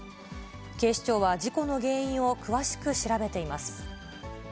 警視庁は事故の原因を詳しく調べています。